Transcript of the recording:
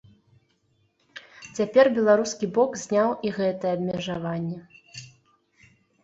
Цяпер беларускі бок зняў і гэтае абмежаванне.